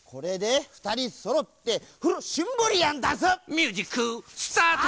ミュージックスタート！